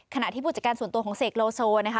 ขณะที่ผู้จัดการส่วนตัวของเสกโลโซนะคะ